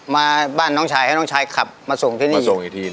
มาบ้านน้องชายให้น้องชายขับมาส่งที่นี่ส่งอีกที